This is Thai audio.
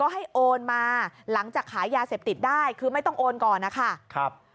หลังจากหายยาเสพติดได้คือไม่ต้องโอนก่อนนะคะ